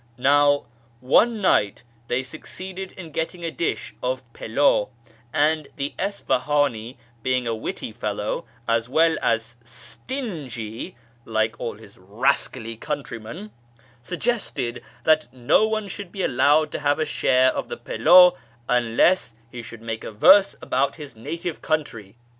Now, one night they succeeded in getting a dish oi pilaw, and the Isfahani, being a witty fellow, as well as stingy (like all his rascally countrymen), suggested that no one should be allowed to have a share of the pilaw unless he could make a verse about his native country.